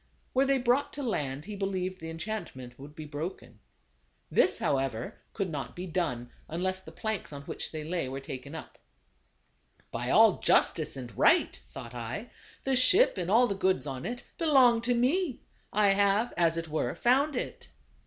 Were they brought to land he believed the enchantment would be broken. This, however, could not be done, unless the planks on which they lay were taken up. THE CARAVAN. 121 " By all justice and right," thought I, " the ship, and all the goods on it, belong to me ; I have, as it were, found it.